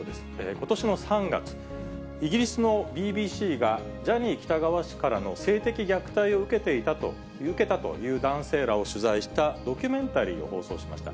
ことしの３月、イギリスのＢＢＣが、ジャニー喜多川氏からの性的虐待を受けたという男性らを取材したドキュメンタリーを放送しました。